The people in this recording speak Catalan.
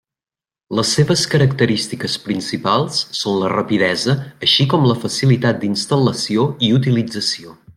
Les seves característiques principals són la rapidesa així com la facilitat d'instal·lació i utilització.